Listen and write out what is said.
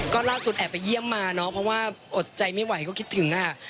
ก็ล่าสุดแอบไปเยี่ยมมาเนอะเพราะว่าอดใจไม่ไหวก็คิดถึงนะคะ